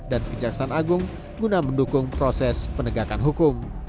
dan kejaksaan agung guna mendukung proses penegakan hukum